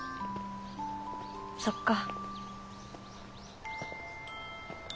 そっか。